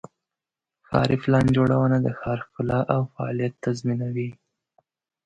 ښاري پلان جوړونه د ښار ښکلا او فعالیت تضمینوي.